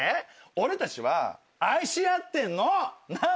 俺たちは愛し合ってんの！なぁ？